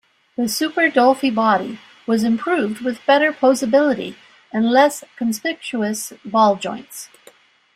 The Super Dollfie body was improved with better poseability and less conspicuous ball joints.